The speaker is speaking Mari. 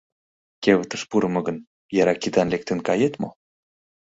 Кевытыш пурымо гын, яра кидан лектын кает мо?